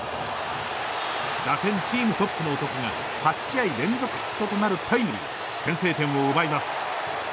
打点チームトップの男が８試合連続ヒットとなるタイムリーで先制点を奪います。